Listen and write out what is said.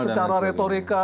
itu secara retorika